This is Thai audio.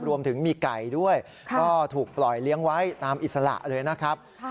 รวมถึงมีไก่ด้วยก็ถูกปล่อยเลี้ยงไว้ตามอิสระเลยนะครับ